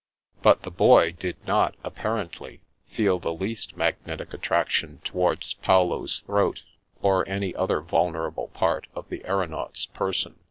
But the Boy did not, apparently, feel the least magnetic attraction towards Paolo's throat, or any other vulnerable part of the aeronaut's person.